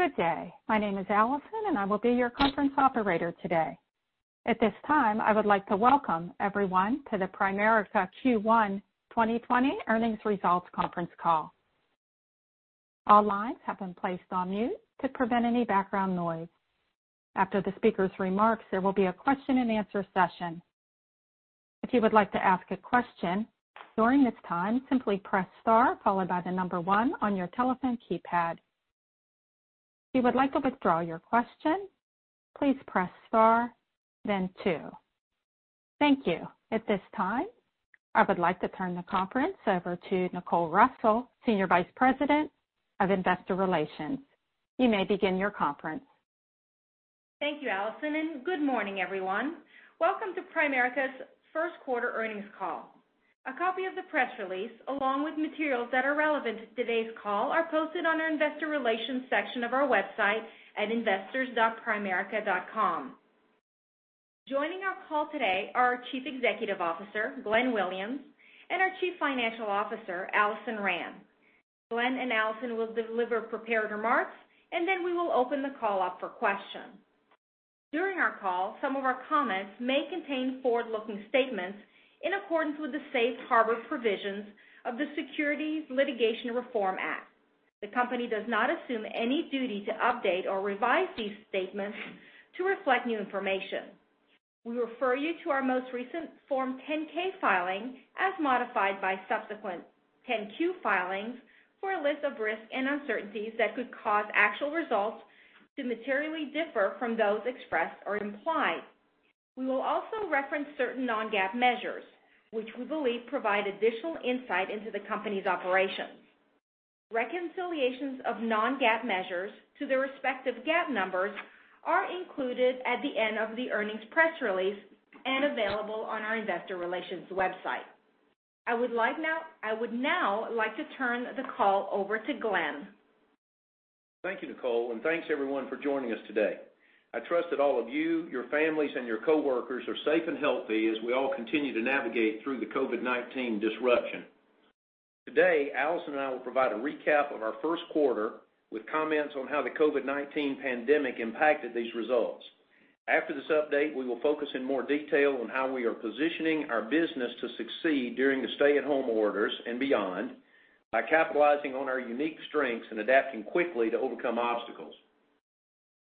Good day. My name is Allison, and I will be your conference operator today. At this time, I would like to welcome everyone to the Primerica Q1 2020 Earnings Results Conference Call. All lines have been placed on mute to prevent any background noise. After the speaker's remarks, there will be a question and answer session. If you would like to ask a question during this time, simply press star followed by 1 on your telephone keypad. If you would like to withdraw your question, please press star then 2. Thank you. At this time, I would like to turn the conference over to Nicole Russell, Senior Vice President of Investor Relations. You may begin your conference. Thank you, Allison, and good morning, everyone. Welcome to Primerica's first quarter earnings call. A copy of the press release, along with materials that are relevant to today's call, are posted on our investor relations section of our website at investors.primerica.com. Joining our call today are our Chief Executive Officer, Glenn Williams, and our Chief Financial Officer, Alison Rand. Glenn and Alison will deliver prepared remarks, and then we will open the call up for questions. During our call, some of our comments may contain forward-looking statements in accordance with the safe harbor provisions of the Securities Litigation Reform Act. The company does not assume any duty to update or revise these statements to reflect new information. We refer you to our most recent Form 10-K filing as modified by subsequent 10-Q filings for a list of risks and uncertainties that could cause actual results to materially differ from those expressed or implied. We will also reference certain non-GAAP measures, which we believe provide additional insight into the company's operations. Reconciliations of non-GAAP measures to their respective GAAP numbers are included at the end of the earnings press release and available on our investor relations website. I would now like to turn the call over to Glenn. Thank you, Nicole, and thanks, everyone, for joining us today. I trust that all of you, your families, and your coworkers are safe and healthy as we all continue to navigate through the COVID-19 disruption. Today, Alison and I will provide a recap of our first quarter with comments on how the COVID-19 pandemic impacted these results. After this update, we will focus in more detail on how we are positioning our business to succeed during the stay-at-home orders and beyond by capitalizing on our unique strengths and adapting quickly to overcome obstacles.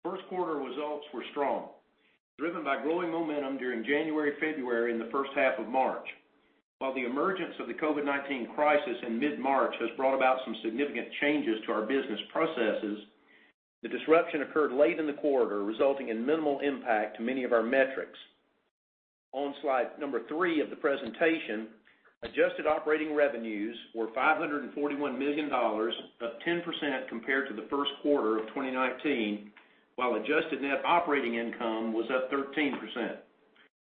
First quarter results were strong, driven by growing momentum during January, February, and the first half of March. While the emergence of the COVID-19 crisis in mid-March has brought about some significant changes to our business processes, the disruption occurred late in the quarter, resulting in minimal impact to many of our metrics. On slide three of the presentation, adjusted operating revenues were $541 million, up 10% compared to the first quarter of 2019, while adjusted net operating income was up 13%.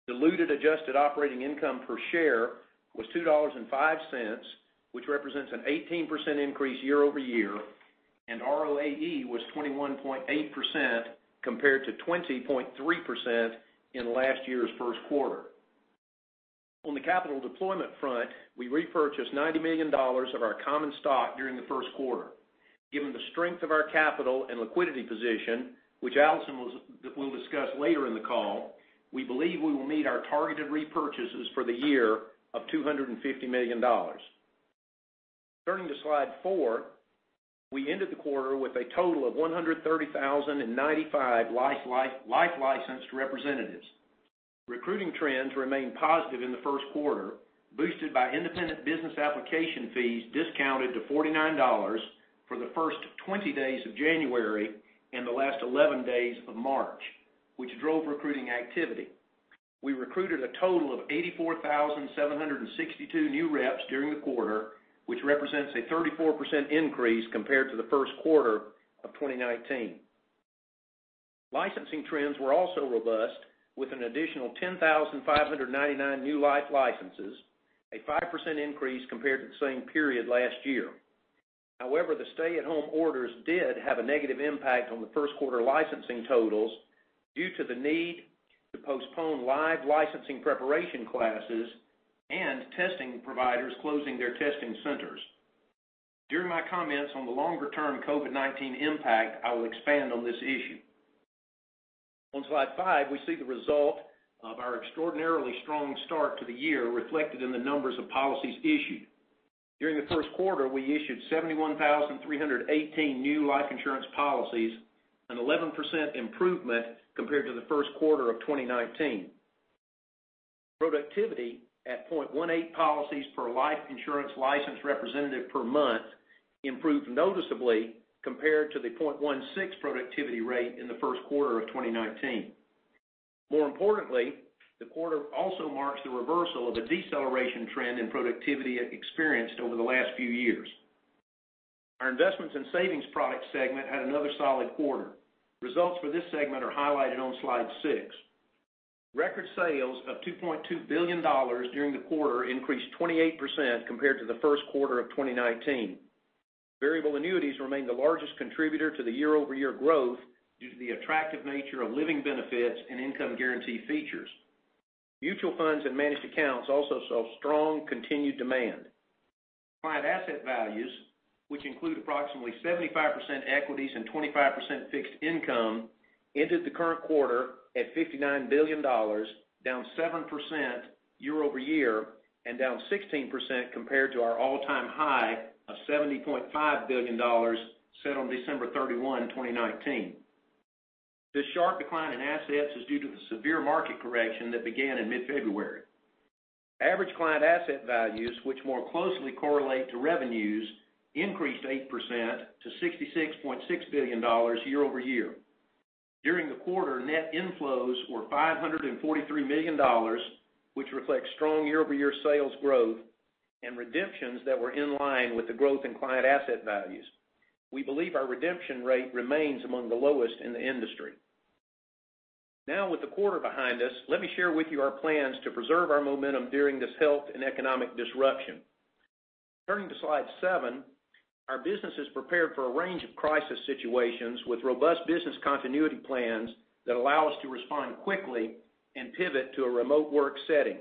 Diluted adjusted operating income per share was $2.05, which represents an 18% increase year-over-year, and ROAE was 21.8% compared to 20.3% in last year's first quarter. On the capital deployment front, we repurchased $90 million of our common stock during the first quarter. Given the strength of our capital and liquidity position, which Alison will discuss later in the call, we believe we will meet our targeted repurchases for the year of $250 million. Turning to slide four, we ended the quarter with a total of 130,095 life licensed representatives. Recruiting trends remained positive in the first quarter, boosted by independent business application fees discounted to $49 for the first 20 days of January and the last 11 days of March, which drove recruiting activity. We recruited a total of 84,762 new reps during the quarter, which represents a 34% increase compared to the first quarter of 2019. Licensing trends were also robust, with an additional 10,599 new life licenses, a 5% increase compared to the same period last year. However, the stay-at-home orders did have a negative impact on the first quarter licensing totals due to the need to postpone live licensing preparation classes and testing providers closing their testing centers. During my comments on the longer-term COVID-19 impact, I will expand on this issue. On slide five, we see the result of our extraordinarily strong start to the year reflected in the numbers of policies issued. During the first quarter, we issued 71,318 new life insurance policies, an 11% improvement compared to the first quarter of 2019. Productivity at 0.18 policies per life insurance license representative per month improved noticeably compared to the 0.16 productivity rate in the first quarter of 2019. More importantly, the quarter also marks the reversal of a deceleration trend in productivity experienced over the last few years. Our investments and savings product segment had another solid quarter. Results for this segment are highlighted on slide six. Record sales of $2.2 billion during the quarter increased 28% compared to the first quarter of 2019. Variable Annuities remained the largest contributor to the year-over-year growth due to the attractive nature of living benefits and income guarantee features. Mutual funds and managed accounts also saw strong continued demand. Client asset values, which include approximately 75% equities and 25% fixed income, entered the current quarter at $59 billion, down 7% year-over-year, and down 16% compared to our all-time high of $70.5 billion set on December 31, 2019. This sharp decline in assets is due to the severe market correction that began in mid-February. Average client asset values, which more closely correlate to revenues, increased 8% to $66.6 billion year-over-year. During the quarter, net inflows were $543 million, which reflects strong year-over-year sales growth and redemptions that were in line with the growth in client asset values. We believe our redemption rate remains among the lowest in the industry. With the quarter behind us, let me share with you our plans to preserve our momentum during this health and economic disruption. Turning to slide seven, our business is prepared for a range of crisis situations with robust business continuity plans that allow us to respond quickly and pivot to a remote work setting.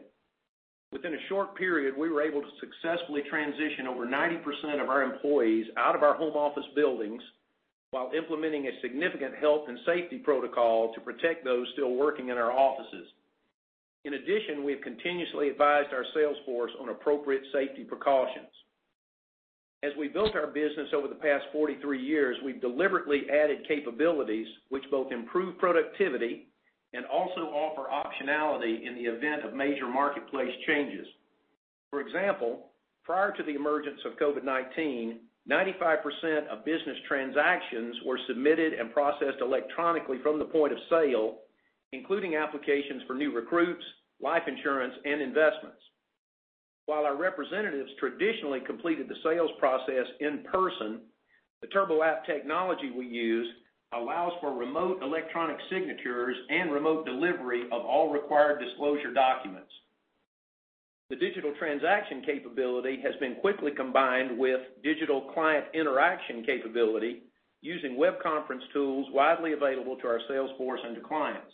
Within a short period, we were able to successfully transition over 90% of our employees out of our home office buildings while implementing a significant health and safety protocol to protect those still working in our offices. In addition, we have continuously advised our sales force on appropriate safety precautions. As we built our business over the past 43 years, we've deliberately added capabilities which both improve productivity and also offer optionality in the event of major marketplace changes. For example, prior to the emergence of COVID-19, 95% of business transactions were submitted and processed electronically from the point of sale, including applications for new recruits, life insurance, and investments. While our representatives traditionally completed the sales process in person, the TurboApp technology we use allows for remote electronic signatures and remote delivery of all required disclosure documents. The digital transaction capability has been quickly combined with digital client interaction capability using web conference tools widely available to our sales force and to clients.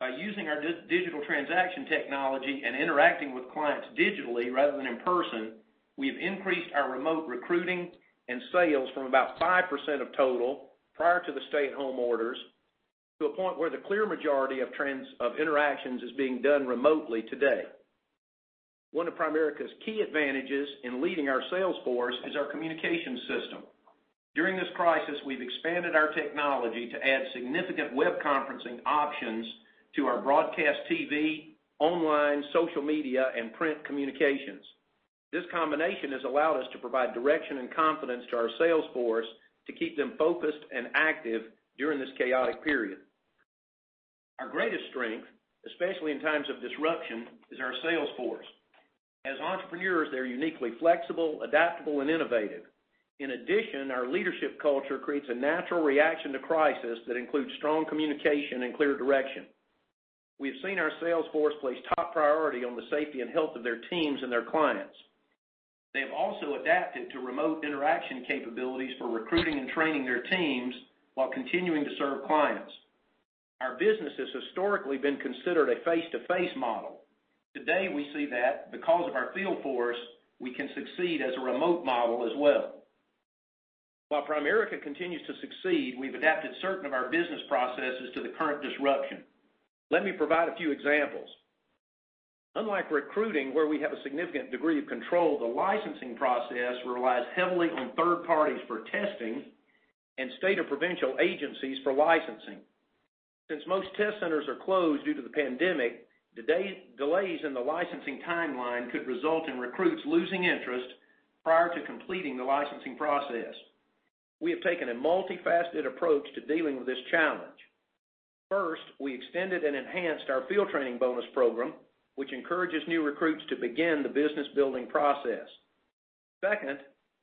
By using our digital transaction technology and interacting with clients digitally rather than in person, we have increased our remote recruiting and sales from about 5% of total prior to the stay-at-home orders, to a point where the clear majority of interactions is being done remotely today. One of Primerica's key advantages in leading our sales force is our communication system. During this crisis, we've expanded our technology to add significant web conferencing options to our broadcast TV, online, social media, and print communications. This combination has allowed us to provide direction and confidence to our sales force to keep them focused and active during this chaotic period. Our greatest strength, especially in times of disruption, is our sales force. As entrepreneurs, they're uniquely flexible, adaptable, and innovative. In addition, our leadership culture creates a natural reaction to crisis that includes strong communication and clear direction. We have seen our sales force place top priority on the safety and health of their teams and their clients. They have also adapted to remote interaction capabilities for recruiting and training their teams while continuing to serve clients. Our business has historically been considered a face-to-face model. Today, we see that because of our field force, we can succeed as a remote model as well. While Primerica continues to succeed, we've adapted certain of our business processes to the current disruption. Let me provide a few examples. Unlike recruiting, where we have a significant degree of control, the licensing process relies heavily on third parties for testing and state or provincial agencies for licensing. Since most test centers are closed due to the pandemic, delays in the licensing timeline could result in recruits losing interest prior to completing the licensing process. We have taken a multifaceted approach to dealing with this challenge. First, we extended and enhanced our field training bonus program, which encourages new recruits to begin the business building process. Second,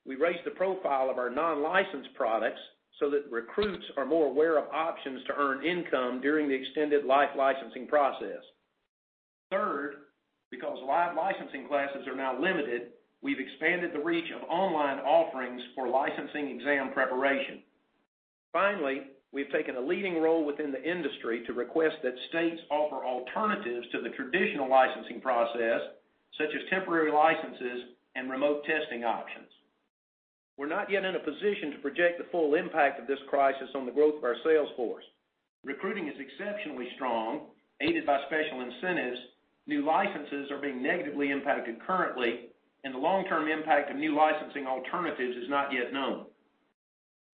we raised the profile of our non-licensed products so that recruits are more aware of options to earn income during the extended life licensing process. Third, because live licensing classes are now limited, we've expanded the reach of online offerings for licensing exam preparation. We've taken a leading role within the industry to request that states offer alternatives to the traditional licensing process, such as temporary licenses and remote testing options. We're not yet in a position to project the full impact of this crisis on the growth of our sales force. Recruiting is exceptionally strong, aided by special incentives. New licenses are being negatively impacted currently, and the long-term impact of new licensing alternatives is not yet known.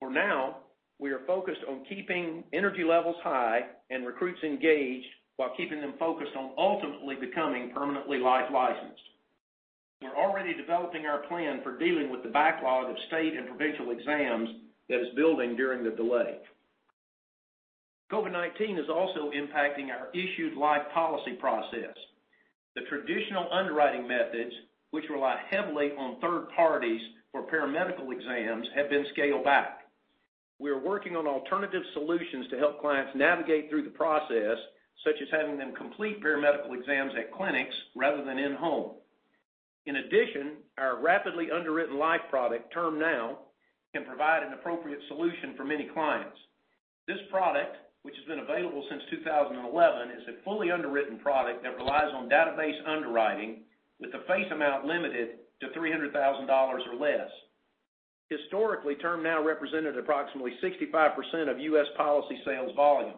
For now, we are focused on keeping energy levels high and recruits engaged while keeping them focused on ultimately becoming permanently life licensed. We're already developing our plan for dealing with the backlog of state and provincial exams that is building during the delay. COVID-19 is also impacting our issued life policy process. The traditional underwriting methods, which rely heavily on third parties for paramedical exams, have been scaled back. We are working on alternative solutions to help clients navigate through the process, such as having them complete paramedical exams at clinics rather than in home. Our rapidly underwritten life product, TermNow, can provide an appropriate solution for many clients. This product, which has been available since 2011, is a fully underwritten product that relies on database underwriting with the face amount limited to $300,000 or less. Historically, TermNow represented approximately 65% of U.S. policy sales volume.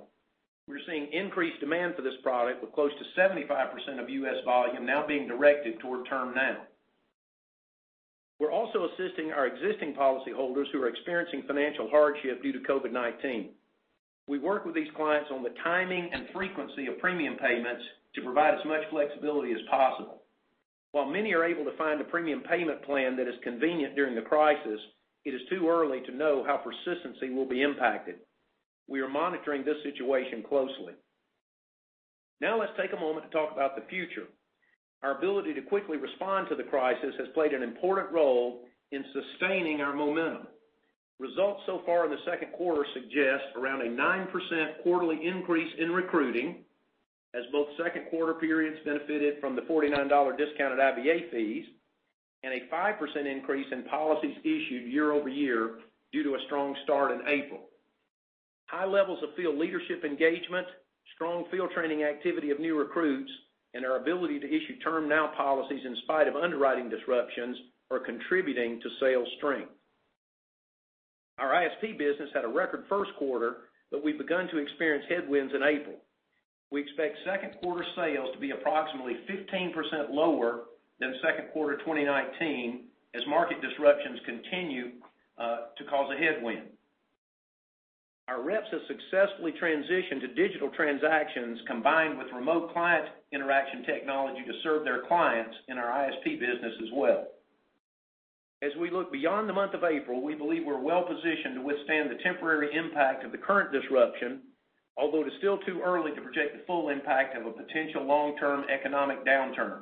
We're seeing increased demand for this product, with close to 75% of U.S. volume now being directed toward TermNow. We're also assisting our existing policyholders who are experiencing financial hardship due to COVID-19. We work with these clients on the timing and frequency of premium payments to provide as much flexibility as possible. While many are able to find a premium payment plan that is convenient during the crisis, it is too early to know how persistency will be impacted. We are monitoring this situation closely. Let's take a moment to talk about the future. Our ability to quickly respond to the crisis has played an important role in sustaining our momentum. Results so far in the second quarter suggest around a 9% quarterly increase in recruiting, as both second-quarter periods benefited from the $49 discounted IBA fees, and a 5% increase in policies issued year-over-year due to a strong start in April. High levels of field leadership engagement, strong field training activity of new recruits, and our ability to issue TermNow policies in spite of underwriting disruptions are contributing to sales strength. Our ISP business had a record first quarter, we've begun to experience headwinds in April. We expect second-quarter sales to be approximately 15% lower than second quarter 2019 as market disruptions continue to cause a headwind. Our reps have successfully transitioned to digital transactions combined with remote client interaction technology to serve their clients in our ISP business as well. We look beyond the month of April, we believe we're well-positioned to withstand the temporary impact of the current disruption, although it is still too early to project the full impact of a potential long-term economic downturn.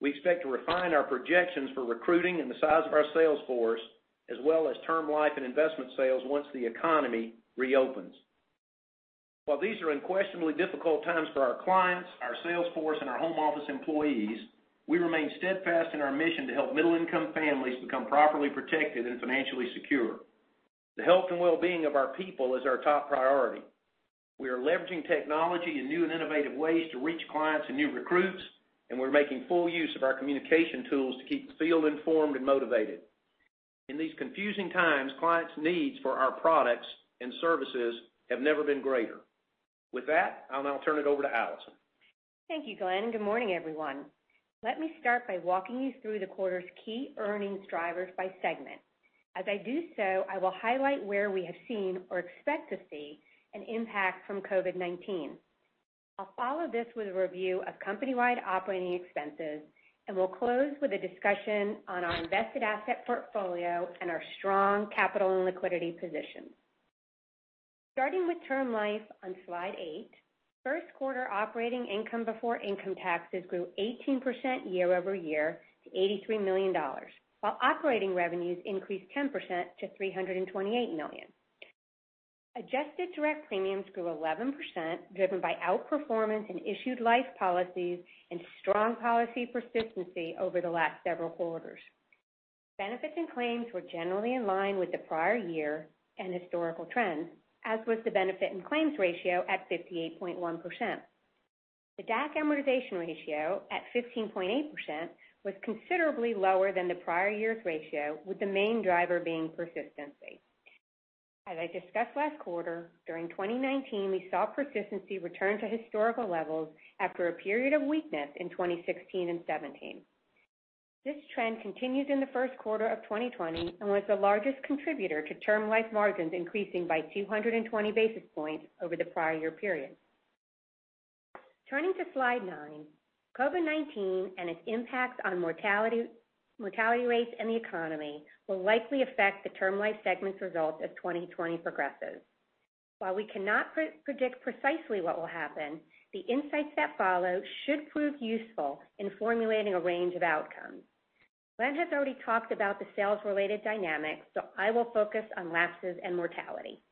We expect to refine our projections for recruiting and the size of our sales force, as well as Term Life and investment sales once the economy reopens. These are unquestionably difficult times for our clients, our sales force, and our home office employees, we remain steadfast in our mission to help middle-income families become properly protected and financially secure. The health and well-being of our people is our top priority. We are leveraging technology in new and innovative ways to reach clients and new recruits, we're making full use of our communication tools to keep the field informed and motivated. In these confusing times, clients' needs for our products and services have never been greater. With that, I'll now turn it over to Alison. Thank you, Glenn. Good morning, everyone. Let me start by walking you through the quarter's key earnings drivers by segment. As I do so, I will highlight where we have seen or expect to see an impact from COVID-19. I'll follow this with a review of company-wide operating expenses, we'll close with a discussion on our invested asset portfolio and our strong capital and liquidity position. Starting with Term Life on slide eight, first quarter operating income before income taxes grew 18% year-over-year to $83 million, while operating revenues increased 10% to $328 million. Adjusted direct premiums grew 11%, driven by outperformance in issued life policies and strong policy persistency over the last several quarters. Benefits and claims were generally in line with the prior year and historical trends, as was the benefit and claims ratio at 58.1%. The DAC amortization ratio at 15.8% was considerably lower than the prior year's ratio, with the main driver being persistency. As I discussed last quarter, during 2019, we saw persistency return to historical levels after a period of weakness in 2016 and 2017. This trend continues in the first quarter of 2020 and was the largest contributor to Term Life margins increasing by 220 basis points over the prior year period. Turning to slide nine, COVID-19 and its impacts on mortality rates and the economy will likely affect the Term Life segment's results as 2020 progresses. While we cannot predict precisely what will happen, the insights that follow should prove useful in formulating a range of outcomes. Glenn has already talked about the sales-related dynamics, I will focus on lapses and mortality.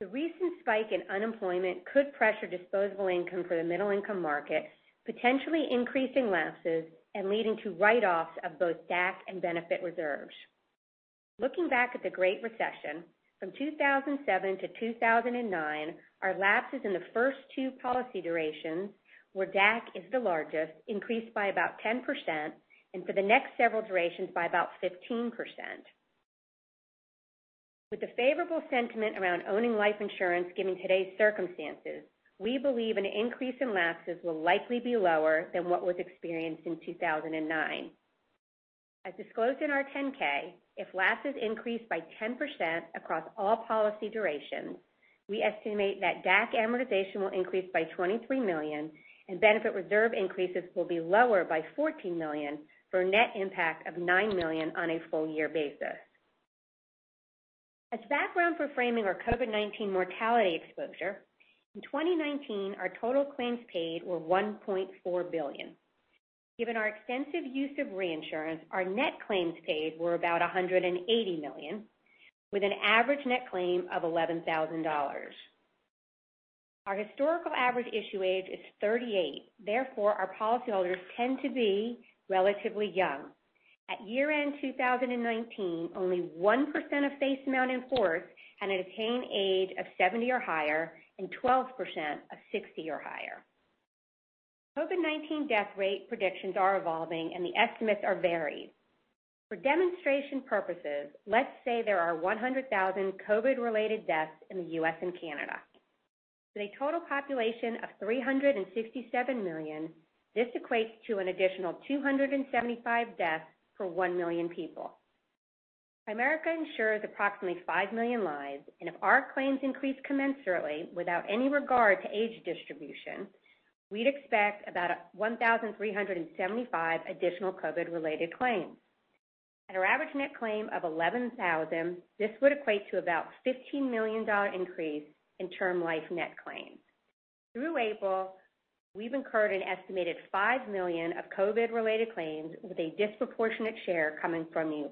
The recent spike in unemployment could pressure disposable income for the middle-income market, potentially increasing lapses and leading to write-offs of both DAC and benefit reserves. Looking back at the Great Recession, from 2007 to 2009, our lapses in the first two policy durations, where DAC is the largest, increased by about 10%, and for the next several durations, by about 15%. With the favorable sentiment around owning life insurance given today's circumstances, we believe an increase in lapses will likely be lower than what was experienced in 2009. As disclosed in our 10-K, if lapses increase by 10% across all policy durations, we estimate that DAC amortization will increase by $23 million, benefit reserve increases will be lower by $14 million, for a net impact of $9 million on a full year basis. As background for framing our COVID-19 mortality exposure, in 2019, our total claims paid were $1.4 billion. Given our extensive use of reinsurance, our net claims paid were about $180 million, with an average net claim of $11,000. Our historical average issue age is 38. Therefore, our policyholders tend to be relatively young. At year-end 2019, only 1% of face amount in force had attained an age of 70 or higher, and 12% of 60 or higher. COVID-19 death rate predictions are evolving, and the estimates are varied. For demonstration purposes, let's say there are 100,000 COVID-related deaths in the U.S. and Canada. With a total population of 367 million, this equates to an additional 275 deaths per one million people. Primerica insures approximately five million lives, if our claims increase commensurately without any regard to age distribution, we'd expect about 1,375 additional COVID-related claims. At our average net claim of 11,000, this would equate to about a $15 million increase in term life net claims. Through April, we've incurred an estimated $5 million of COVID-related claims with a disproportionate share coming from N.Y.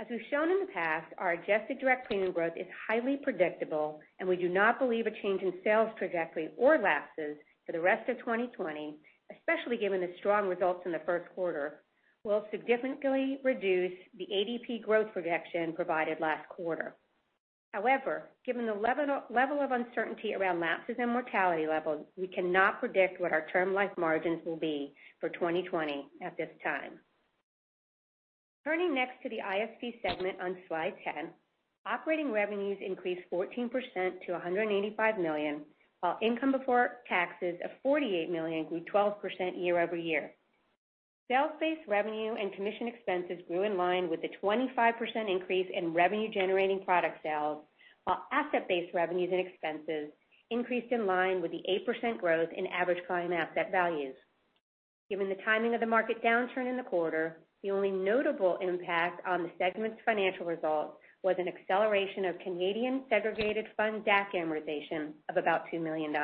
As we've shown in the past, our adjusted direct premium growth is highly predictable, we do not believe a change in sales trajectory or lapses for the rest of 2020, especially given the strong results in the first quarter, will significantly reduce the ADP growth projection provided last quarter. Given the level of uncertainty around lapses and mortality levels, we cannot predict what our term life margins will be for 2020 at this time. Turning next to the ISP segment on slide 10, operating revenues increased 14% to $185 million, while income before taxes of $48 million grew 12% year-over-year. Sales-based revenue and commission expenses grew in line with the 25% increase in revenue-generating product sales, while asset-based revenues and expenses increased in line with the 8% growth in average client asset values. Given the timing of the market downturn in the quarter, the only notable impact on the segment's financial results was an acceleration of Canadian segregated fund DAC amortization of about $2 million.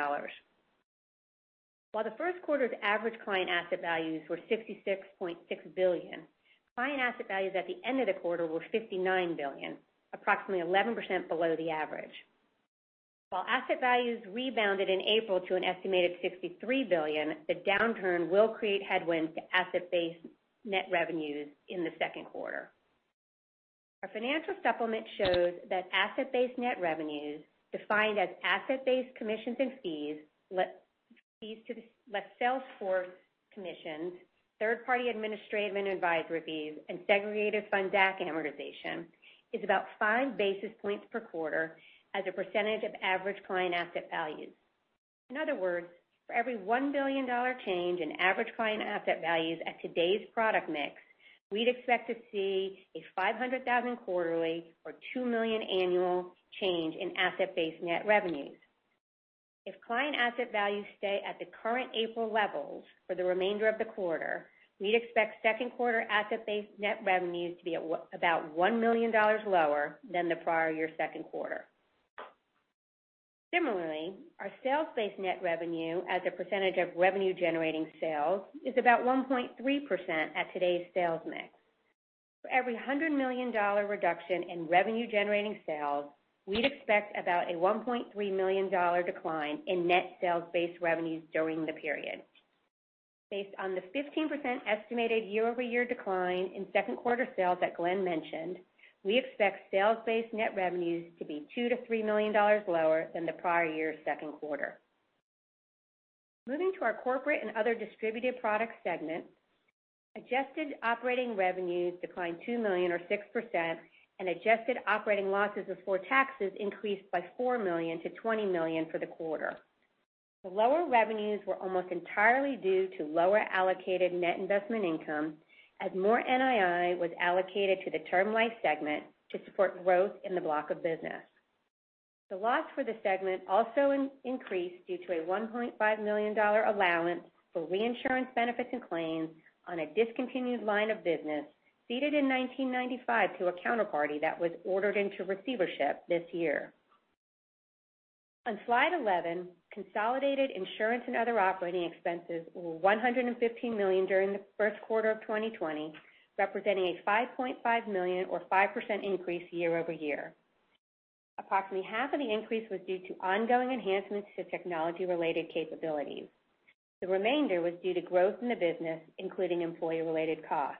The first quarter's average client asset values were $66.6 billion, client asset values at the end of the quarter were $59 billion, approximately 11% below the average. Asset values rebounded in April to an estimated $63 billion, the downturn will create headwinds to asset-based net revenues in the second quarter. Our financial supplement shows that asset-based net revenues, defined as asset-based commissions and fees, less sales force commissions, third-party administrative and advisory fees, and segregated fund DAC amortization is about five basis points per quarter as a percentage of average client asset values. In other words, for every $1 billion change in average client asset values at today's product mix, we'd expect to see a $500,000 quarterly or $2 million annual change in asset-based net revenues. If client asset values stay at the current April levels for the remainder of the quarter, we'd expect second quarter asset-based net revenues to be about $1 million lower than the prior year second quarter. Similarly, our sales-based net revenue as a percentage of revenue-generating sales is about 1.3% at today's sales mix. For every $100 million reduction in revenue-generating sales, we'd expect about a $1.3 million decline in net sales-based revenues during the period. Based on the 15% estimated year-over-year decline in second quarter sales that Glenn mentioned, we expect sales-based net revenues to be $2 million-$3 million lower than the prior year's second quarter. Moving to our Corporate and Other Distributed Products segment, adjusted operating revenues declined $2 million or 6%, and adjusted operating losses before taxes increased by $4 million to $20 million for the quarter. The lower revenues were almost entirely due to lower allocated net investment income, as more NII was allocated to the term life segment to support growth in the block of business. The loss for the segment also increased due to a $1.5 million allowance for reinsurance benefits and claims on a discontinued line of business, ceded in 1995 to a counterparty that was ordered into receivership this year. On slide 11, consolidated insurance and other operating expenses were $115 million during the first quarter of 2020, representing a $5.5 million or 5% increase year-over-year. Approximately half of the increase was due to ongoing enhancements to technology-related capabilities. The remainder was due to growth in the business, including employee-related costs.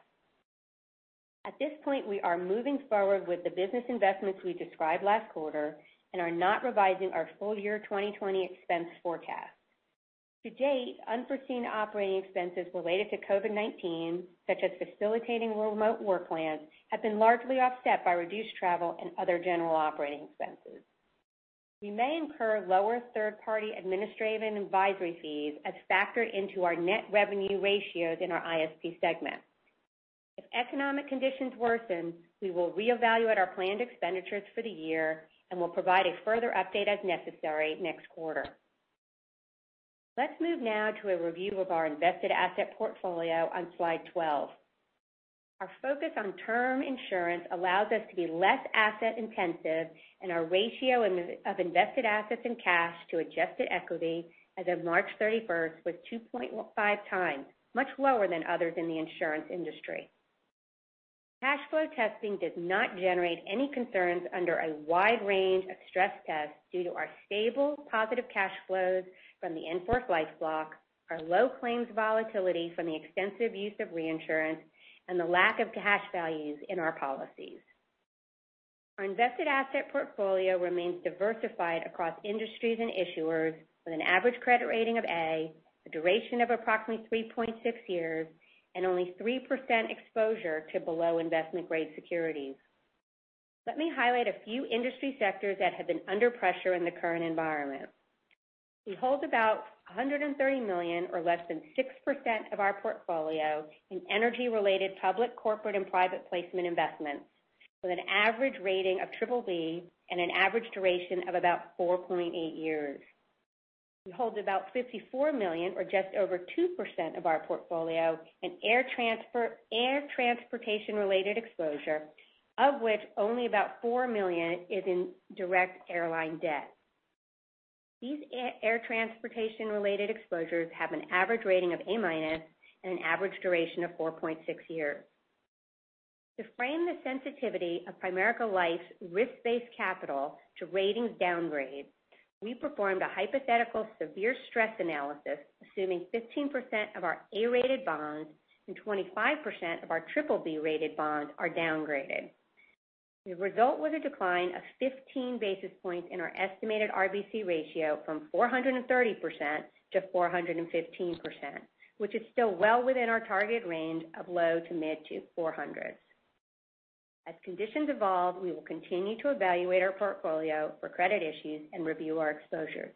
At this point, we are moving forward with the business investments we described last quarter and are not revising our full year 2020 expense forecast. To date, unforeseen operating expenses related to COVID-19, such as facilitating remote work plans, have been largely offset by reduced travel and other general operating expenses. We may incur lower third-party administrative and advisory fees as factored into our net revenue ratios in our ISP segment. If economic conditions worsen, we will reevaluate our planned expenditures for the year and will provide a further update as necessary next quarter. Let's move now to a review of our invested asset portfolio on slide 12. Our focus on term insurance allows us to be less asset intensive, and our ratio of invested assets and cash to adjusted equity as of March 31st was 2.5 times, much lower than others in the insurance industry. Cash flow testing does not generate any concerns under a wide range of stress tests due to our stable positive cash flows from the in-force life block, our low claims volatility from the extensive use of reinsurance, and the lack of cash values in our policies. Our invested asset portfolio remains diversified across industries and issuers with an average credit rating of A, a duration of approximately 3.6 years, and only 3% exposure to below investment-grade securities. Let me highlight a few industry sectors that have been under pressure in the current environment. We hold about $130 million or less than 6% of our portfolio in energy-related public corporate and private placement investments with an average rating of triple B and an average duration of about 4.8 years. We hold about $54 million or just over 2% of our portfolio in air transportation related exposure, of which only about $4 million is in direct airline debt. These air transportation related exposures have an average rating of A-minus and an average duration of 4.6 years. To frame the sensitivity of Primerica Life's risk-based capital to ratings downgrade, we performed a hypothetical severe stress analysis assuming 15% of our A-rated bonds and 25% of our triple B rated bonds are downgraded. The result was a decline of 15 basis points in our estimated RBC ratio from 430% to 415%, which is still well within our target range of low to mid to 400s. As conditions evolve, we will continue to evaluate our portfolio for credit issues and review our exposures.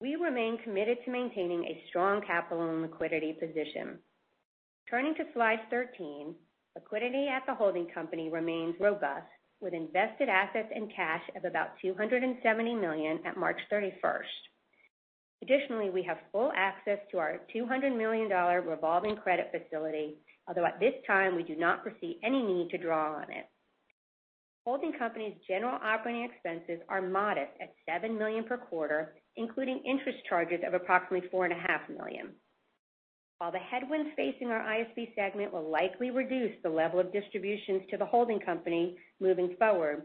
We remain committed to maintaining a strong capital and liquidity position. Turning to slide 13, liquidity at the holding company remains robust with invested assets and cash of about $270 million at March 31st. Additionally, we have full access to our $200 million revolving credit facility, although at this time we do not foresee any need to draw on it. Holding company's general operating expenses are modest at $7 million per quarter, including interest charges of approximately $4.5 million. While the headwinds facing our ISP segment will likely reduce the level of distributions to the holding company moving forward, our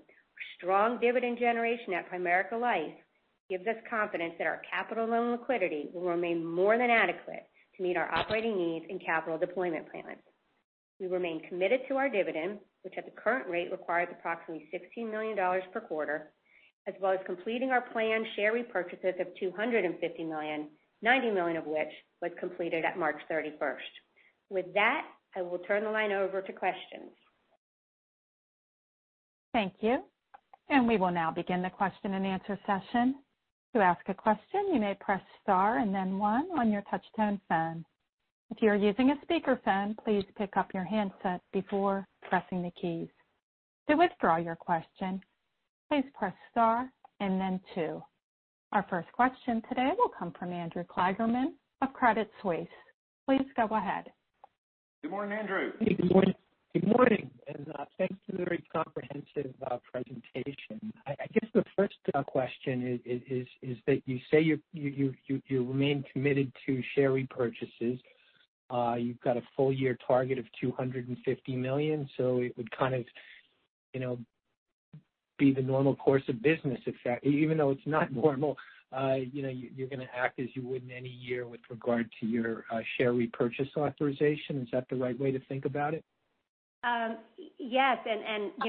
strong dividend generation at Primerica Life gives us confidence that our capital and liquidity will remain more than adequate to meet our operating needs and capital deployment plans. We remain committed to our dividend, which at the current rate requires approximately $16 million per quarter, as well as completing our planned share repurchases of $250 million, $90 million of which was completed at March 31st. With that, I will turn the line over to questions. Thank you. We will now begin the question and answer session. To ask a question, you may press star and then one on your touchtone phone. If you're using a speakerphone, please pick up your handset before pressing the keys. To withdraw your question, please press star and then two. Our first question today will come from Andrew Kligerman of Credit Suisse. Please go ahead. Good morning, Andrew. Good morning, and thanks for the very comprehensive presentation. I guess the first question is that you say you remain committed to share repurchases. You've got a full-year target of $250 million, so it would be the normal course of business, even though it's not normal, you're going to act as you would in any year with regard to your share repurchase authorization. Is that the right way to think about it? Yes.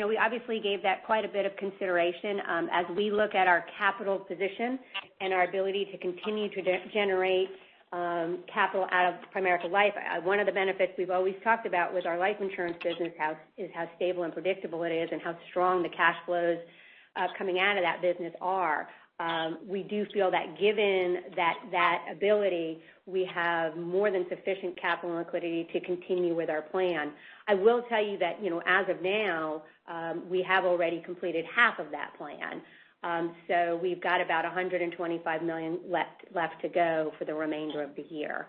We obviously gave that quite a bit of consideration as we look at our capital position and our ability to continue to generate capital out of Primerica Life. One of the benefits we've always talked about with our life insurance business is how stable and predictable it is and how strong the cash flows coming out of that business are. We do feel that given that ability, we have more than sufficient capital and liquidity to continue with our plan. I will tell you that as of now, we have already completed half of that plan. We've got about $125 million left to go for the remainder of the year.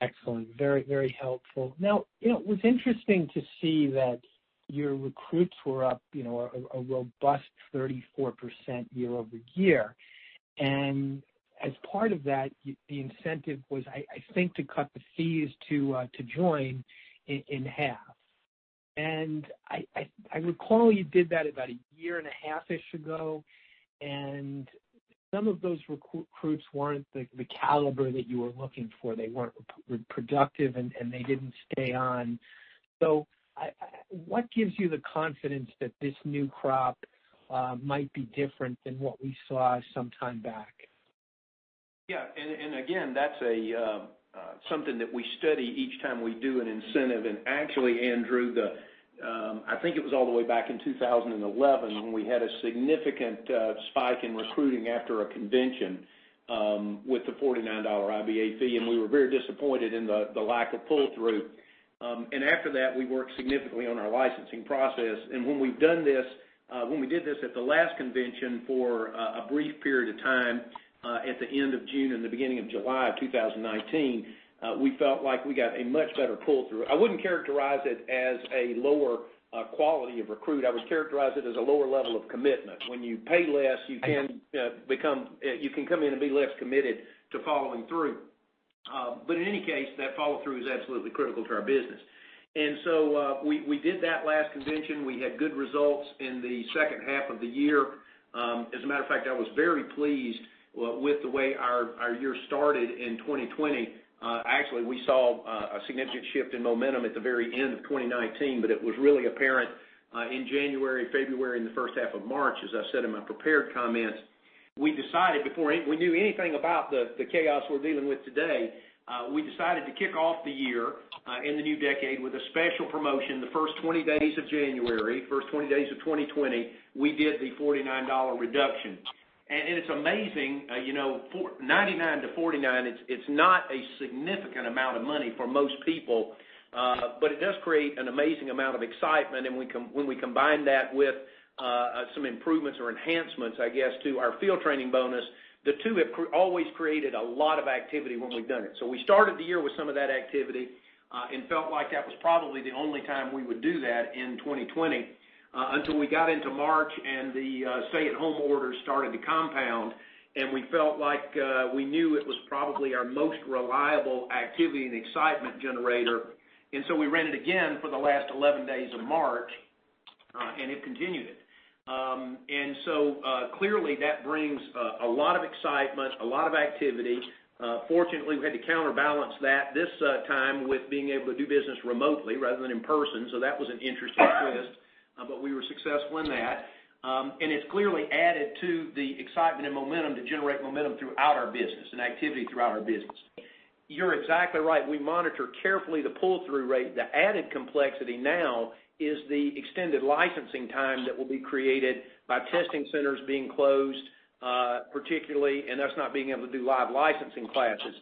Excellent. Very helpful. It was interesting to see that your recruits were up a robust 34% year-over-year. As part of that, the incentive was, I think, to cut the fees to join in half. I recall you did that about a year and a half-ish ago, and some of those recruits weren't the caliber that you were looking for. They weren't productive, and they didn't stay on. What gives you the confidence that this new crop might be different than what we saw some time back? Yeah. Again, that's something that we study each time we do an incentive. Actually, Andrew, I think it was all the way back in 2011 when we had a significant spike in recruiting after a convention with the $49 IBA fee, and we were very disappointed in the lack of pull-through. After that, we worked significantly on our licensing process. When we did this at the last convention for a brief period of time at the end of June and the beginning of July of 2019, we felt like we got a much better pull-through. I wouldn't characterize it as a lower quality of recruit. I would characterize it as a lower level of commitment. When you pay less, you can come in and be less committed to following through. In any case, that follow-through is absolutely critical to our business. We did that last convention. We had good results in the second half of the year. As a matter of fact, I was very pleased with the way our year started in 2020. Actually, we saw a significant shift in momentum at the very end of 2019, but it was really apparent in January, February, and the first half of March, as I said in my prepared comments. We decided, before we knew anything about the chaos we're dealing with today, we decided to kick off the year in the new decade with a special promotion. The first 20 days of January, first 20 days of 2020, we did the $49 reduction. It's amazing, 99 to 49, it's not a significant amount of money for most people, but it does create an amazing amount of excitement, and when we combine that with some improvements or enhancements, I guess, to our field training bonus, the two have always created a lot of activity when we've done it. We started the year with some of that activity, and felt like that was probably the only time we would do that in 2020, until we got into March and the stay-at-home orders started to compound, and we felt like we knew it was probably our most reliable activity and excitement generator. We ran it again for the last 11 days of March, and it continued it. Clearly that brings a lot of excitement, a lot of activity. Fortunately, we had to counterbalance that this time with being able to do business remotely rather than in person, so that was an interesting twist, but we were successful in that. It's clearly added to the excitement and momentum to generate momentum throughout our business and activity throughout our business. You're exactly right. We monitor carefully the pull-through rate. The added complexity now is the extended licensing time that will be created by testing centers being closed, particularly, and us not being able to do live licensing classes.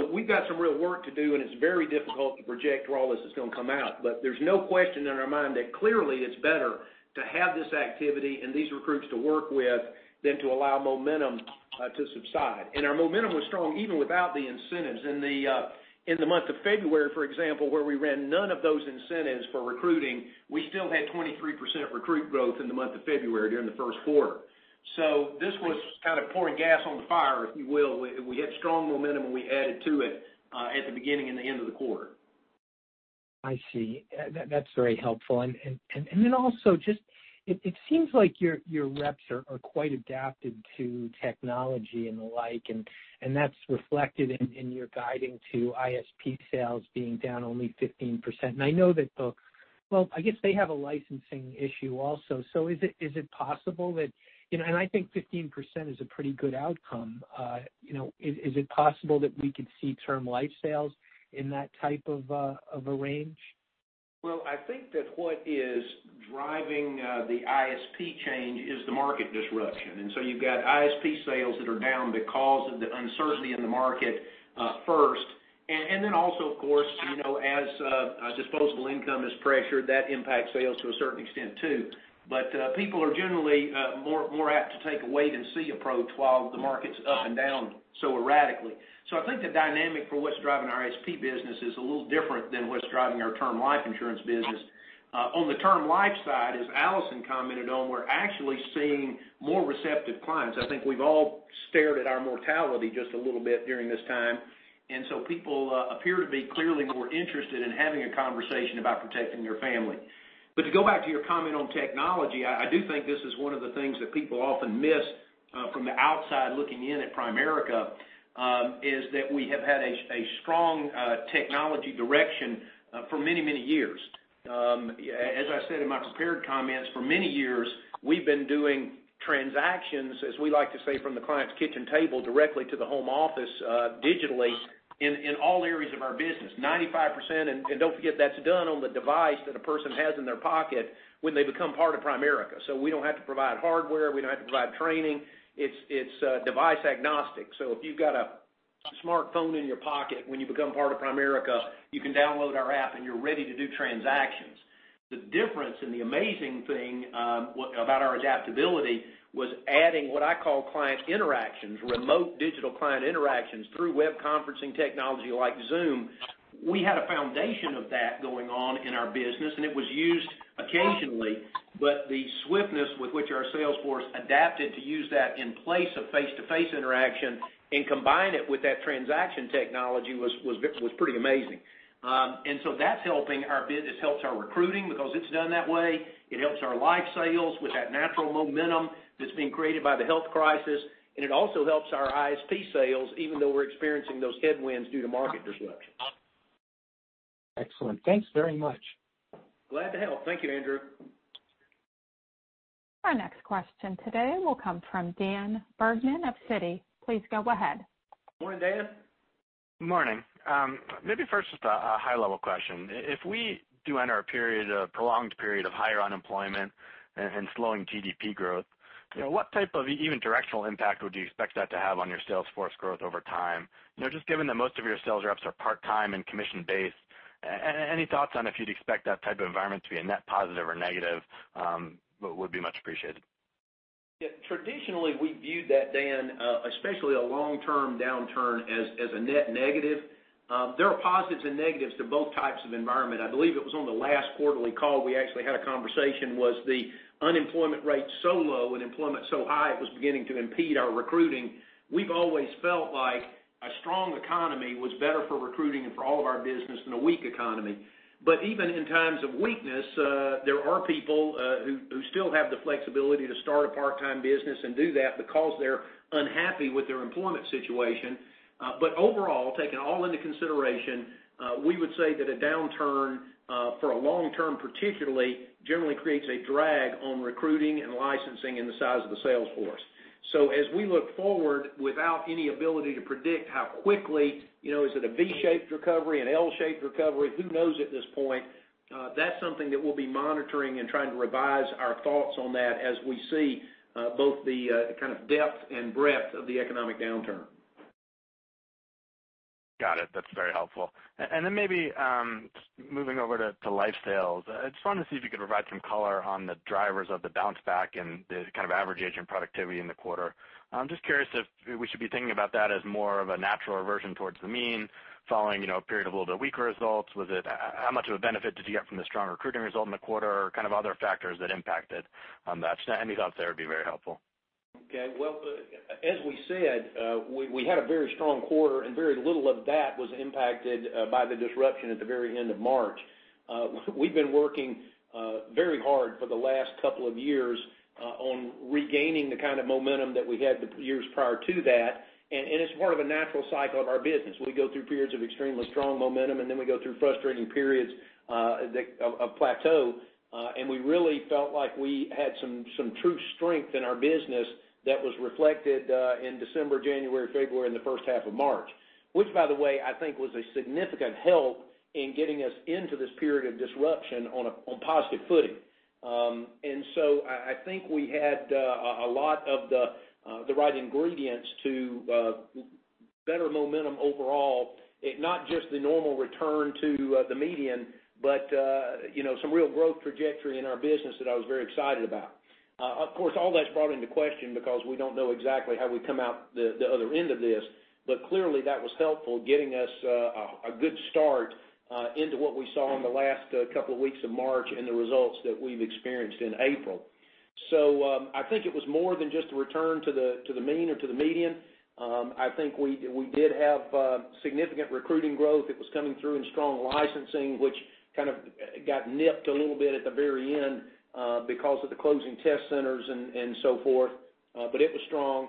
We've got some real work to do, and it's very difficult to project where all this is going to come out. There's no question in our mind that clearly it's better to have this activity and these recruits to work with than to allow momentum to subside. Our momentum was strong even without the incentives. In the month of February, for example, where we ran none of those incentives for recruiting, we still had 23% recruit growth in the month of February during the first quarter. This was kind of pouring gas on the fire, if you will. We had strong momentum, and we added to it at the beginning and the end of the quarter. I see. That's very helpful. Then also, it seems like your reps are quite adapted to technology and the like, and that's reflected in your guiding to ISP sales being down only 15%. I know that books, well, I guess they have a licensing issue also. I think 15% is a pretty good outcome. Is it possible that we could see term life sales in that type of a range? Well, I think that what is driving the ISP change is the market disruption. You've got ISP sales that are down because of the uncertainty in the market first, then also, of course, as disposable income is pressured, that impacts sales to a certain extent, too. People are generally more apt to take a wait and see approach while the market's up and down so erratically. I think the dynamic for what's driving our ISP business is a little different than what's driving our term life insurance business. On the term life side, as Allison commented on, we're actually seeing more receptive clients. I think we've all stared at our mortality just a little bit during this time, people appear to be clearly more interested in having a conversation about protecting their family. To go back to your comment on technology, I do think this is one of the things that people often miss from the outside looking in at Primerica, is that we have had a strong technology direction for many, many years. As I said in my prepared comments, for many years, we've been doing transactions, as we like to say, from the client's kitchen table directly to the home office digitally in all areas of our business, 95%. Don't forget that's done on the device that a person has in their pocket when they become part of Primerica. We don't have to provide hardware. We don't have to provide training. It's device agnostic. If you've got a smartphone in your pocket when you become part of Primerica, you can download our app and you're ready to do transactions. The difference and the amazing thing about our adaptability was adding what I call client interactions, remote digital client interactions through web conferencing technology like Zoom. We had a foundation of that going on in our business, it was used occasionally, but the swiftness with which our sales force adapted to use that in place of face-to-face interaction and combine it with that transaction technology was pretty amazing. That's helping our business, helps our recruiting because it's done that way. It helps our life sales with that natural momentum that's being created by the health crisis, it also helps our ISP sales, even though we're experiencing those headwinds due to market disruption. Excellent. Thanks very much. Glad to help. Thank you, Andrew. Our next question today will come from Daniel Bergman of Citi. Please go ahead. Morning, Dan. Morning. Maybe first just a high level question. If we do enter a prolonged period of higher unemployment and slowing GDP growth, what type of even directional impact would you expect that to have on your sales force growth over time? Just given that most of your sales reps are part-time and commission-based, any thoughts on if you'd expect that type of environment to be a net positive or negative would be much appreciated. Yeah, traditionally, we viewed that, Dan, especially a long-term downturn as a net negative. There are positives and negatives to both types of environment. I believe it was on the last quarterly call, we actually had a conversation, was the unemployment rate so low and employment so high it was beginning to impede our recruiting. We've always felt like a strong economy was better for recruiting and for all of our business than a weak economy. Even in times of weakness, there are people who still have the flexibility to start a part-time business and do that because they're unhappy with their employment situation. Overall, taking all into consideration, we would say that a downturn, for a long term particularly, generally creates a drag on recruiting and licensing and the size of the sales force. As we look forward, without any ability to predict how quickly, is it a V-shaped recovery, an L-shaped recovery? Who knows at this point? That's something that we'll be monitoring and trying to revise our thoughts on that as we see both the kind of depth and breadth of the economic downturn. Got it. That's very helpful. Maybe, moving over to life sales, I just wanted to see if you could provide some color on the drivers of the bounce back and the kind of average agent productivity in the quarter. I'm just curious if we should be thinking about that as more of a natural reversion towards the mean following a period of a little bit weaker results. How much of a benefit did you get from the strong recruiting result in the quarter, or kind of other factors that impact it? Any thoughts there would be very helpful. Well, as we said, we had a very strong quarter. Very little of that was impacted by the disruption at the very end of March. We've been working very hard for the last couple of years on regaining the kind of momentum that we had the years prior to that. It's part of a natural cycle of our business. We go through periods of extremely strong momentum, then we go through frustrating periods of plateau. We really felt like we had some true strength in our business that was reflected in December, January, February, and the first half of March, which, by the way, I think was a significant help in getting us into this period of disruption on a positive footing. I think we had a lot of the right ingredients to better momentum overall. Not just the normal return to the median. Some real growth trajectory in our business that I was very excited about. Of course, all that's brought into question because we don't know exactly how we come out the other end of this. Clearly, that was helpful, getting us a good start into what we saw in the last couple of weeks of March and the results that we've experienced in April. I think it was more than just a return to the mean or to the median. I think we did have significant recruiting growth that was coming through in strong licensing, which kind of got nipped a little bit at the very end because of the closing test centers and so forth. It was strong.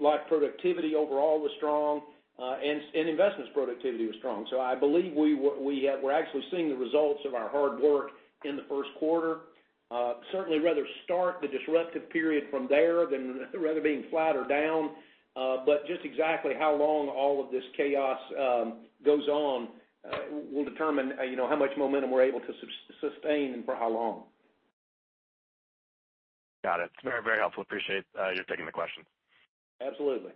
Life productivity overall was strong, and investments productivity was strong. I believe we're actually seeing the results of our hard work in the first quarter. Certainly rather start the disruptive period from there than rather being flat or down. Just exactly how long all of this chaos goes on will determine how much momentum we're able to sustain and for how long. Got it. Very helpful. Appreciate you taking the question. Absolutely.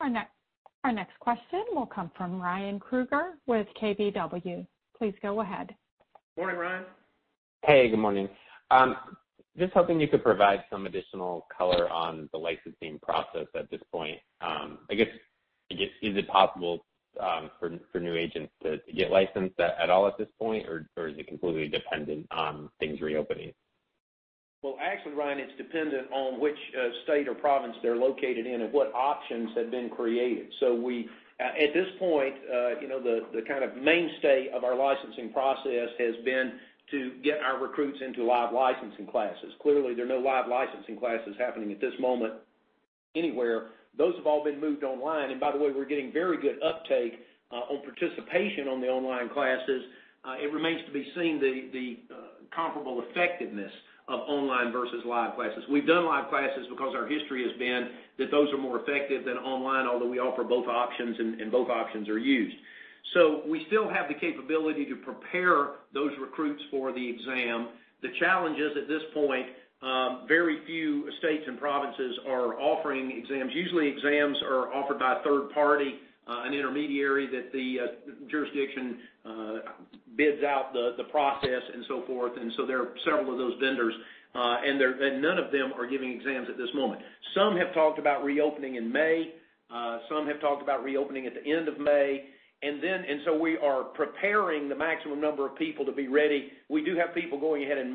Our next question will come from Ryan Krueger with KBW. Please go ahead. Morning, Ryan. Hey, good morning. Just hoping you could provide some additional color on the licensing process at this point. I guess, is it possible for new agents to get licensed at all at this point, or is it completely dependent on things reopening? Well, actually, Ryan, it's dependent on which state or province they're located in and what options have been created. At this point, the kind of mainstay of our licensing process has been to get our recruits into live licensing classes. Clearly, there are no live licensing classes happening at this moment anywhere. Those have all been moved online. By the way, we're getting very good uptake on participation on the online classes. It remains to be seen the comparable effectiveness of online versus live classes. We've done live classes because our history has been that those are more effective than online, although we offer both options and both options are used. We still have the capability to prepare those recruits for the exam. The challenge is, at this point, very few states and provinces are offering exams. Usually, exams are offered by a third party, an intermediary that the jurisdiction bids out the process and so forth. There are several of those vendors, and none of them are giving exams at this moment. Some have talked about reopening in May. Some have talked about reopening at the end of May. We are preparing the maximum number of people to be ready. We do have people going ahead and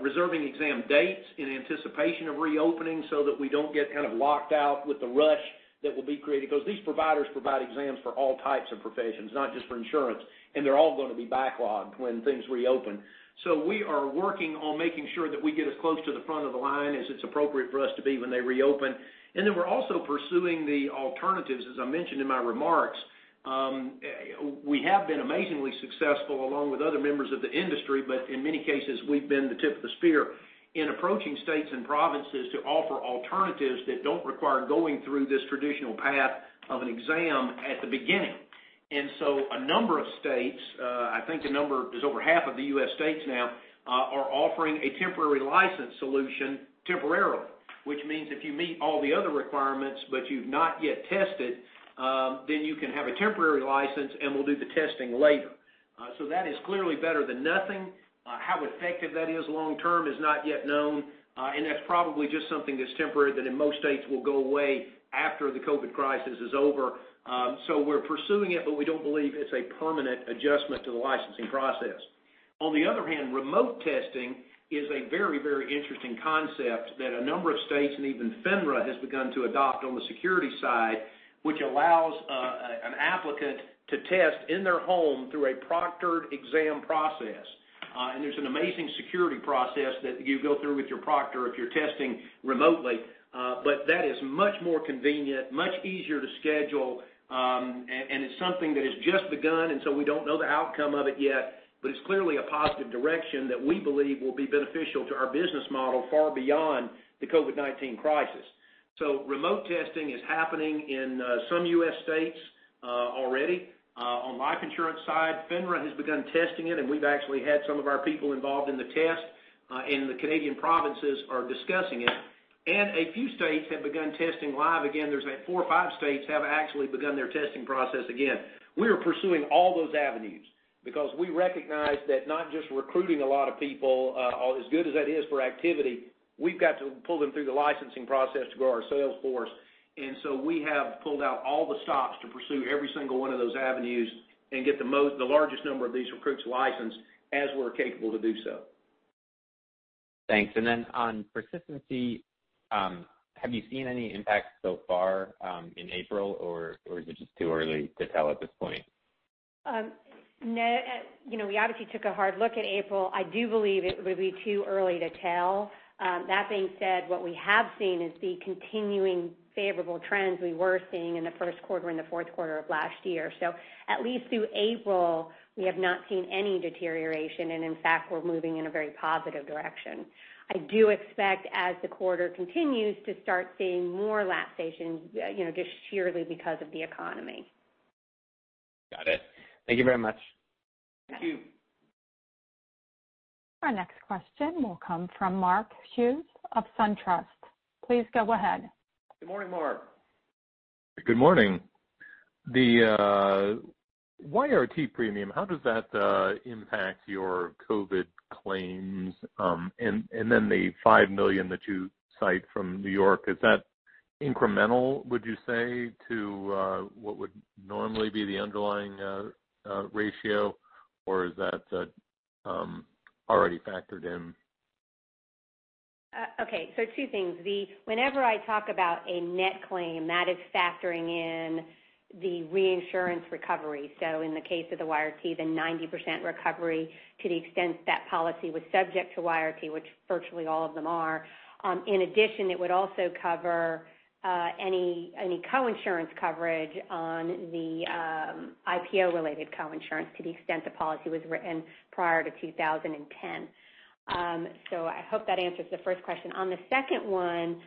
reserving exam dates in anticipation of reopening so that we don't get kind of locked out with the rush that will be created because these providers provide exams for all types of professions, not just for insurance, and they're all going to be backlogged when things reopen. We are working on making sure that we get as close to the front of the line as it's appropriate for us to be when they reopen. We're also pursuing the alternatives, as I mentioned in my remarks. We have been amazingly successful along with other members of the industry, but in many cases we've been the tip of the spear in approaching states and provinces to offer alternatives that don't require going through this traditional path of an exam at the beginning. A number of states, I think there's over half of the U.S. states now, are offering a temporary license solution temporarily, which means if you meet all the other requirements but you've not yet tested, then you can have a temporary license and we'll do the testing later. That is clearly better than nothing. How effective that is long term is not yet known, and that's probably just something that's temporary, that in most states will go away after the COVID-19 crisis is over. We're pursuing it, but we don't believe it's a permanent adjustment to the licensing process. On the other hand, remote testing is a very, very interesting concept that a number of states, and even FINRA, has begun to adopt on the security side, which allows an applicant to test in their home through a proctored exam process. There's an amazing security process that you go through with your proctor if you're testing remotely. That is much more convenient, much easier to schedule, and it's something that has just begun, we don't know the outcome of it yet, but it's clearly a positive direction that we believe will be beneficial to our business model far beyond the COVID-19 crisis. Remote testing is happening in some U.S. states already. On life insurance side, FINRA has begun testing it, and we've actually had some of our people involved in the test, and the Canadian provinces are discussing it, and a few states have begun testing live again. There's four or five states have actually begun their testing process again. We are pursuing all those avenues because we recognize that not just recruiting a lot of people, as good as that is for activity, we've got to pull them through the licensing process to grow our sales force. We have pulled out all the stops to pursue every single one of those avenues and get the largest number of these recruits licensed as we're capable to do so. Thanks. On persistency, have you seen any impact so far, in April, or is it just too early to tell at this point? No. We obviously took a hard look at April. I do believe it would be too early to tell. That being said, what we have seen is the continuing favorable trends we were seeing in the first quarter and the fourth quarter of last year. At least through April, we have not seen any deterioration, and in fact, we're moving in a very positive direction. I do expect, as the quarter continues, to start seeing more lapsations, just sheerly because of the economy. Got it. Thank you very much. Yes. Thank you. Our next question will come from Mark Hughes of SunTrust. Please go ahead. Good morning, Mark. Good morning. Then the $5 million that you cite from New York, is that incremental, would you say, to what would normally be the underlying ratio, or is that already factored in? Okay, two things. Whenever I talk about a net claim, that is factoring in the reinsurance recovery. In the case of the YRT, the 90% recovery to the extent that policy was subject to YRT, which virtually all of them are. In addition, it would also cover any co-insurance coverage on the IPO-related co-insurance to the extent the policy was written prior to 2010. I hope that answers the first question. On the second one,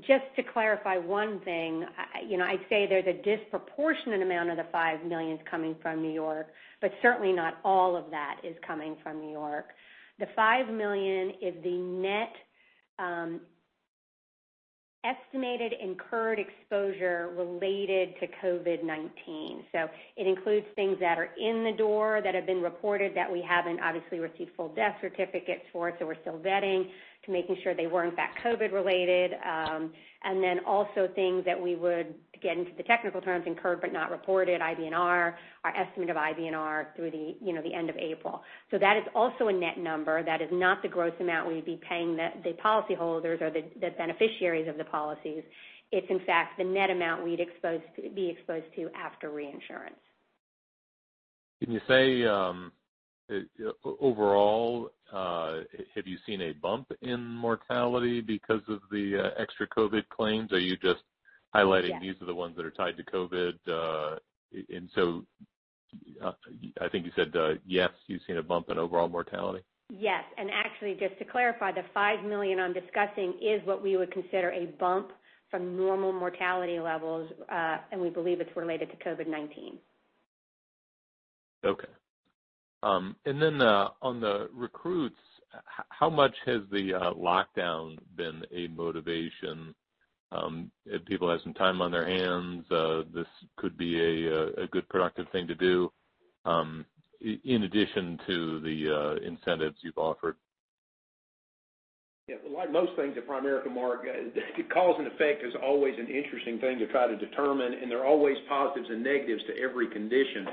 just to clarify one thing, I'd say there's a disproportionate amount of the $5 million coming from New York, but certainly not all of that is coming from New York. The $5 million is the net estimated incurred exposure related to COVID-19. It includes things that are in the door that have been reported that we haven't obviously received full death certificates for, so we're still vetting to making sure they were in fact COVID related. Also things that we would, again into the technical terms, incurred but not reported, IBNR, our estimate of IBNR through the end of April. That is also a net number. That is not the gross amount we'd be paying the policy holders or the beneficiaries of the policies. It's in fact the net amount we'd be exposed to after reinsurance. Can you say, overall, have you seen a bump in mortality because of the extra COVID claims? Are you just highlighting? Yes These are the ones that are tied to COVID? I think you said, yes, you've seen a bump in overall mortality? Yes. Actually, just to clarify, the $5 million I'm discussing is what we would consider a bump from normal mortality levels, and we believe it's related to COVID-19. Okay. On the recruits, how much has the lockdown been a motivation? If people have some time on their hands, this could be a good productive thing to do, in addition to the incentives you've offered. Yeah, like most things at Primerica, Mark, cause and effect is always an interesting thing to try to determine, and there are always positives and negatives to every condition.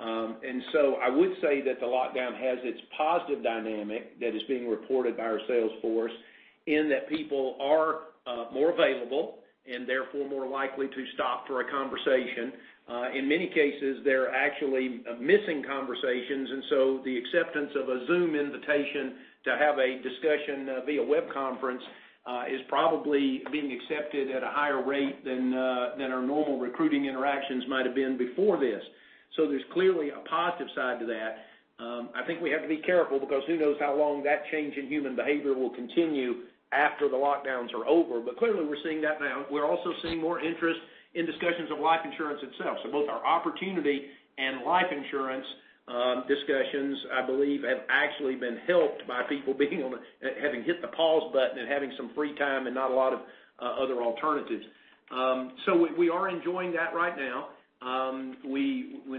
I would say that the lockdown has its positive dynamic that is being reported by our sales force in that people are more available and therefore more likely to stop for a conversation. In many cases, they're actually missing conversations, the acceptance of a Zoom invitation to have a discussion via web conference, is probably being accepted at a higher rate than our normal recruiting interactions might have been before this. There's clearly a positive side to that. I think we have to be careful because who knows how long that change in human behavior will continue after the lockdowns are over. Clearly, we're seeing that now. We're also seeing more interest in discussions of life insurance itself. Both our opportunity and life insurance discussions I believe have actually been helped by people having hit the pause button and having some free time and not a lot of other alternatives. We are enjoying that right now.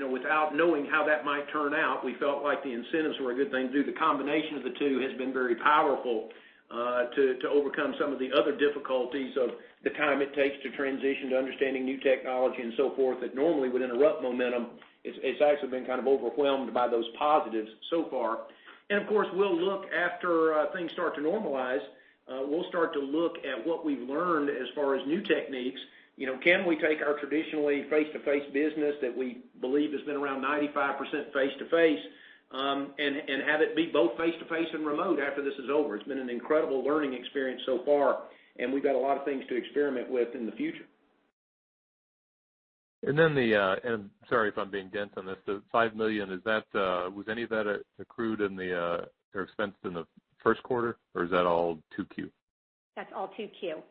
Without knowing how that might turn out, we felt like the incentives were a good thing to do. The combination of the two has been very powerful to overcome some of the other difficulties of the time it takes to transition to understanding new technology and so forth that normally would interrupt momentum. It's actually been kind of overwhelmed by those positives so far. Of course, after things start to normalize, we'll start to look at what we've learned as far as new techniques. Can we take our traditionally face-to-face business, that we believe has been around 95% face-to-face, and have it be both face-to-face and remote after this is over? It's been an incredible learning experience so far, we've got a lot of things to experiment with in the future. Sorry if I'm being dense on this, the $5 million, was any of that accrued or expensed in the first quarter, or is that all 2Q? That's all 2Q.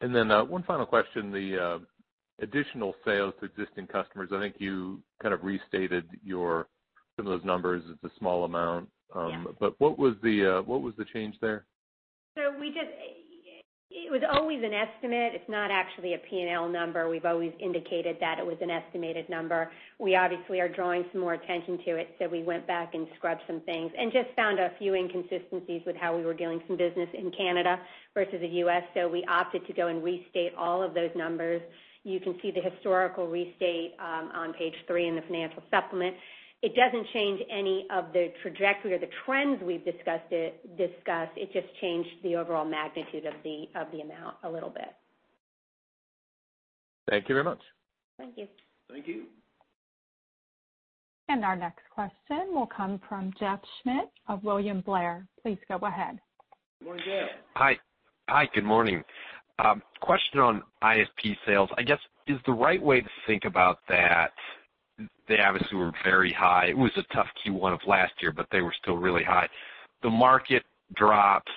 One final question. The additional sales to existing customers, I think you kind of restated some of those numbers. It's a small amount. Yeah. What was the change there? It was always an estimate. It is not actually a P&L number. We have always indicated that it was an estimated number. We obviously are drawing some more attention to it, so we went back and scrubbed some things and just found a few inconsistencies with how we were doing some business in Canada versus the U.S., so we opted to go and restate all of those numbers. You can see the historical restate on page three in the financial supplement. It does not change any of the trajectory or the trends we have discussed. It just changed the overall magnitude of the amount a little bit. Thank you very much. Thank you. Thank you. Our next question will come from Jeff Schmitt of William Blair. Please go ahead. Good morning, Jeff. Hi, good morning. Question on ISP sales. I guess, is the right way to think about that, they obviously were very high. It was a tough Q1 of last year, but they were still really high. The market drops,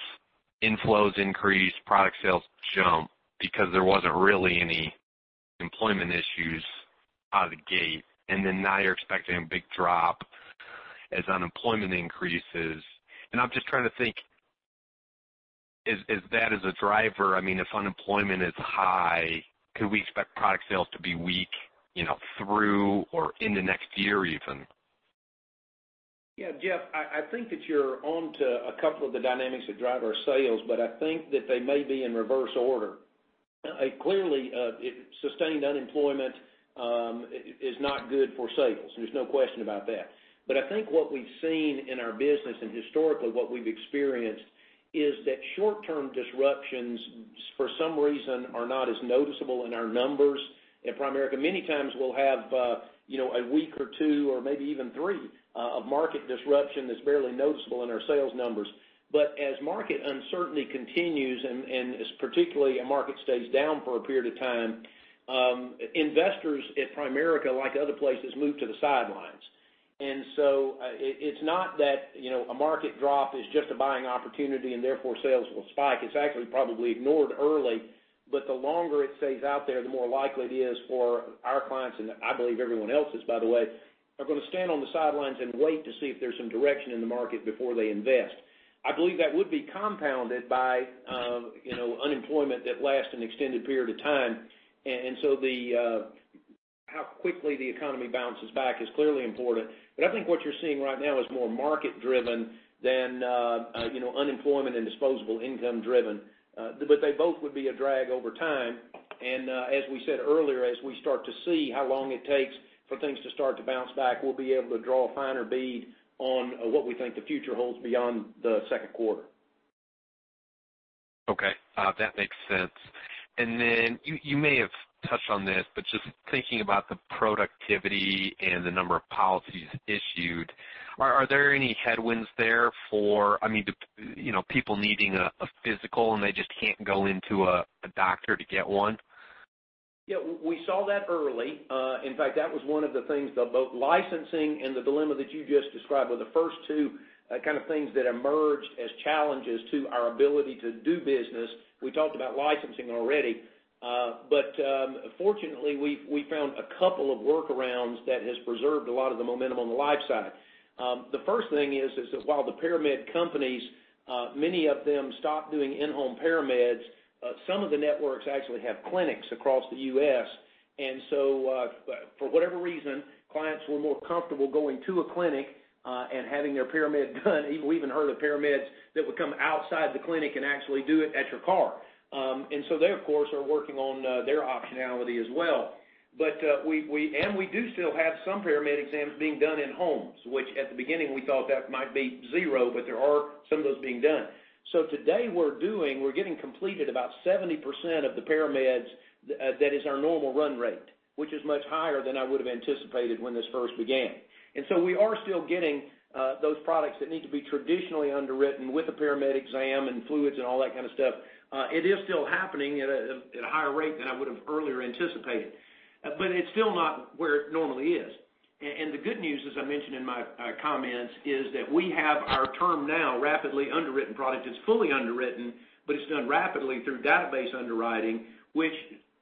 inflows increase, product sales jump because there wasn't really any employment issues out of the gate, then now you're expecting a big drop as unemployment increases. I'm just trying to think, is that as a driver? If unemployment is high, could we expect product sales to be weak through or in the next year even? Yeah, Jeff, I think that you're onto a couple of the dynamics that drive our sales, I think that they may be in reverse order. Clearly, sustained unemployment is not good for sales. There's no question about that. I think what we've seen in our business, and historically what we've experienced, is that short-term disruptions, for some reason, are not as noticeable in our numbers. At Primerica, many times we'll have a week or two, or maybe even three, of market disruption that's barely noticeable in our sales numbers. As market uncertainty continues, and as particularly a market stays down for a period of time, investors at Primerica, like other places, move to the sidelines. So it's not that a market drop is just a buying opportunity and therefore sales will spike. It's actually probably ignored early. The longer it stays out there, the more likely it is for our clients, and I believe everyone else's by the way, are going to stand on the sidelines and wait to see if there's some direction in the market before they invest. I believe that would be compounded by unemployment that lasts an extended period of time. How quickly the economy bounces back is clearly important. I think what you're seeing right now is more market-driven than unemployment and disposable income-driven. They both would be a drag over time. As we said earlier, as we start to see how long it takes for things to start to bounce back, we'll be able to draw a finer bead on what we think the future holds beyond the second quarter. Okay. That makes sense. Then you may have touched on this, but just thinking about the productivity and the number of policies issued, are there any headwinds there for people needing a physical and they just can't go into a doctor to get one? We saw that early. In fact, that was one of the things, both licensing and the dilemma that you just described, were the first two kind of things that emerged as challenges to our ability to do business. We talked about licensing already. Fortunately, we found a couple of workarounds that has preserved a lot of the momentum on the life side. The first thing is, while the paramed companies, many of them stopped doing in-home paramedics, some of the networks actually have clinics across the U.S. For whatever reason, clients were more comfortable going to a clinic and having their paramed done. We even heard of paramedics that would come outside the clinic and actually do it at your car. They, of course, are working on their optionality as well. We do still have some paramed exams being done in homes, which at the beginning we thought that might be zero, but there are some of those being done. Today we're getting completed about 70% of the paramedics that is our normal run rate, which is much higher than I would have anticipated when this first began. We are still getting those products that need to be traditionally underwritten with a paramed exam and fluids and all that kind of stuff. It is still happening at a higher rate than I would have earlier anticipated. It's still not where it normally is. The good news, as I mentioned in my comments is that we have our TermNow rapidly underwritten product. It's fully underwritten, but it's done rapidly through database underwriting, which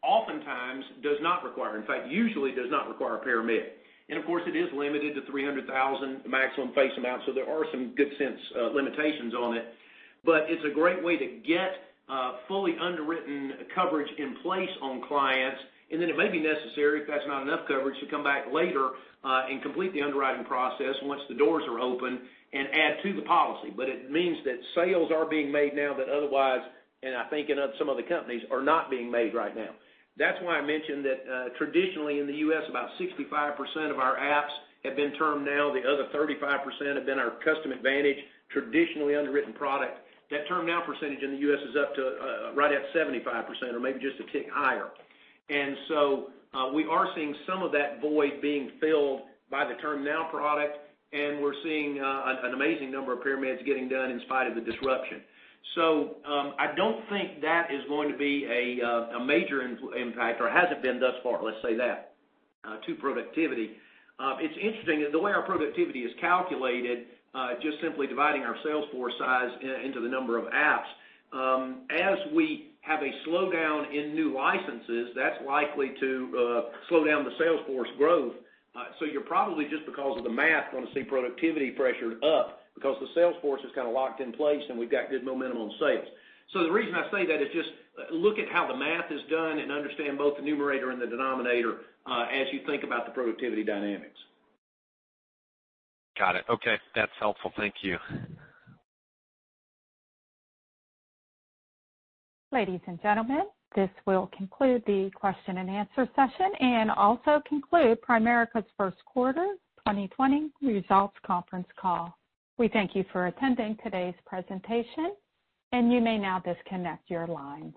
oftentimes does not require, in fact, usually does not require a paramed. Of course, it is limited to $300,000 maximum face amount, so there are some good sense limitations on it. It's a great way to get fully underwritten coverage in place on clients. It may be necessary, if that's not enough coverage, to come back later, and complete the underwriting process once the doors are open and add to the policy. It means that sales are being made now that otherwise, and I think in some other companies, are not being made right now. That's why I mentioned that traditionally in the U.S., about 65% of our apps have been TermNow. The other 35% have been our Custom Advantage, traditionally underwritten product. That TermNow percentage in the U.S. is up to right at 75%, or maybe just a tick higher. We are seeing some of that void being filled by the TermNow product, and we're seeing an amazing number of parameds getting done in spite of the disruption. I don't think that is going to be a major impact or hasn't been thus far, let's say that, to productivity. It's interesting, the way our productivity is calculated, just simply dividing our sales force size into the number of apps. As we have a slowdown in new licenses, that's likely to slow down the sales force growth. You're probably, just because of the math, going to see productivity pressured up because the sales force is kind of locked in place, and we've got good momentum on sales. The reason I say that is just look at how the math is done and understand both the numerator and the denominator, as you think about the productivity dynamics. Got it. Okay. That's helpful. Thank you. Ladies and gentlemen, this will conclude the question and answer session and also conclude Primerica's first quarter 2020 results conference call. We thank you for attending today's presentation, and you may now disconnect your lines.